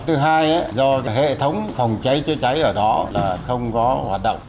thứ hai do hệ thống phòng cháy chữa cháy ở đó không có hoạt động